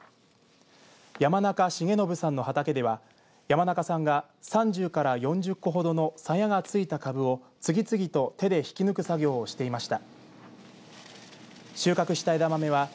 山中重信さんの畑では山中さんが３０から４０個ほどのさやがついたかぶを次々と手で引き抜く作業をしていました。